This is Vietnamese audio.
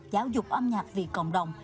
giáo dục âm nhạc vì cộng đồng